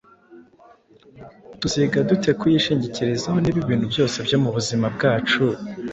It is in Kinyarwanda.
Tuziga dute kuyishingikirizaho niba ibintu byose byo mu buzima bwacu